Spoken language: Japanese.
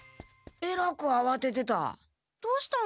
えらくあわててた。